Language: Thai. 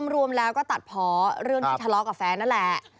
ร่วมก็ตัดผ่อเรื่องที่ทะลอกับแฟนนั่นแหละ